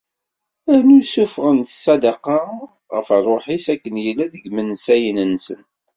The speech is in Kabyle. Rnu ssuffɣen ssadaqa ɣef rruḥ-is akken yella deg wansayen-nsen.